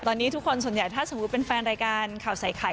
ตอนนี้ทุกคนส่วนใหญ่ถ้าสมมุติเป็นแฟนรายการข่าวใส่ไข่